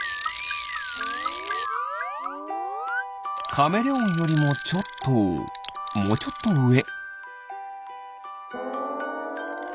カメレオンよりもちょっともうちょっとうえ。